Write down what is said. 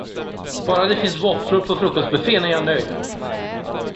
Bara det finns våfflor på frukostbuffén är jag nöjd!